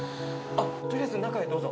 取りあえず中へどうぞ。